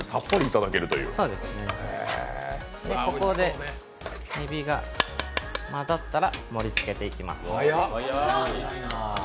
ここでえびが混ざったら盛りつけていきます。